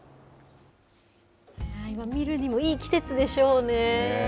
見るにもいい季節でしょうね。